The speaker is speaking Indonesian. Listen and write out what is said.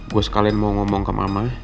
gue sekalian mau ngomong ke mamanya